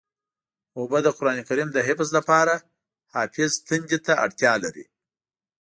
اوبه د قرآن کریم د حفظ لپاره حافظ تندې ته اړتیا لري.